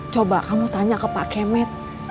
coba kamu tanya ke pak kemet